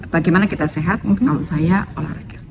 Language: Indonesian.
bagaimana kita sehat kalau saya olahraga